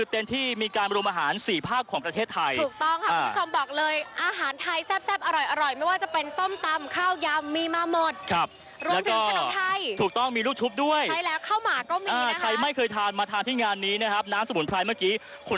เป็นสัตว์รักษณ์ของที่นี่คือทิ้งท้าสวรรค์